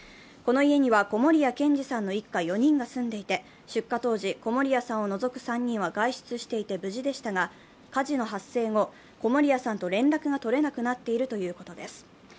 この家には小森谷賢二さんの一家４人が住んでいて出荷当時、小森谷さんを除く３人は外出していて無事でしたが、火事の発生後、小森谷さんと連絡が取れなくなっているということです。